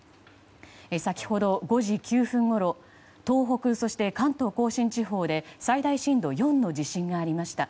先ほど、５時９分ごろ東北、そして関東・甲信地方で最大震度４の地震がありました。